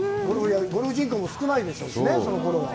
ゴルフ人口も少ないでしょうしね、そのころは。